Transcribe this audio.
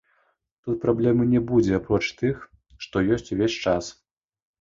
Тут праблемы не будзе апроч тых, што ёсць увесь час.